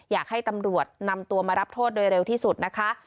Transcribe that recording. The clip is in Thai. อยากให้ตำรวจนำตัวมารับโทษโดยเร็วที่สุดนะคะ